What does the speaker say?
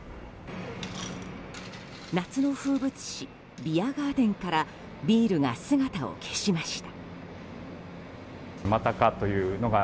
夏の風物詩ビアガーデンからビールが姿を消しました。